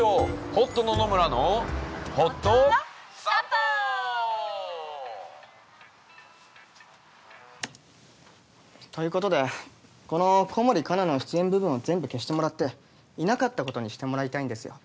『ホット野々村のほっと散歩』ということでこの小森かなの出演部分を全部消してもらっていなかったことにしてもらいたいんですよ。